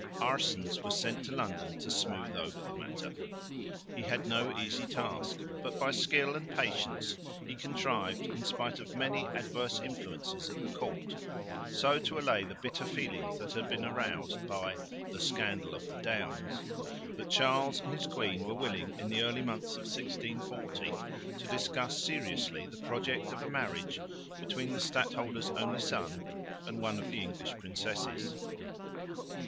Aerssens was sent to London to smooth over the matter. He had no easy task, but by skill and patience he contrived, in spite of many adverse influences at the court, so to allay the bitter feelings that had been aroused by "the scandal of the Downs" that Charles and his queen were willing, in the early months of 1640, to discuss seriously the project of a marriage between the stadholder's only son and one of the English princesses.